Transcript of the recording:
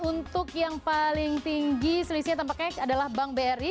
untuk yang paling tinggi selisihnya tampaknya adalah bank bri